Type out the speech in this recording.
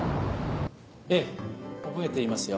ええ覚えていますよ。